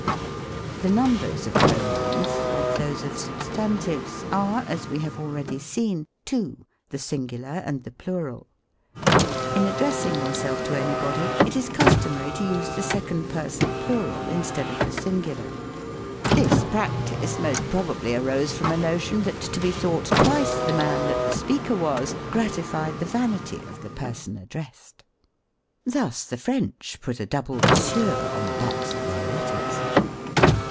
The Numbers of pronouns, like those of substan tives, are, as we have already seen, two ; the singular and the plural. In addressing yourself to anybody, it is customary to use the second person plural instead of the singular. This practice most probably arose from a notion, that to be thought twice the man that the speaker was, gratified the vanity of the person addressed. Thus, ETYMOLOGY. 45 the French put a double Monsieur on the backs of their letters.